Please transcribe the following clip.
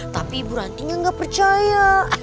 tapi ibu rantinya nggak percaya